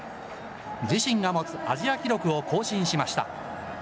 自身が持つアジア記録を更新しました。